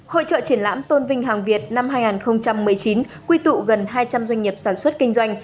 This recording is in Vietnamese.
hội trợ triển lãm tôn vinh hàng việt năm hai nghìn một mươi chín quy tụ gần hai trăm linh doanh nghiệp sản xuất kinh doanh